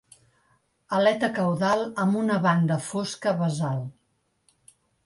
Aleta caudal amb una banda fosca basal.